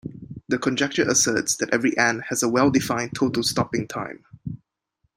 The conjecture asserts that every "n" has a well-defined total stopping time.